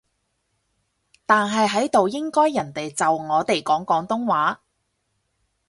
但係喺度應該人哋就我哋講廣東話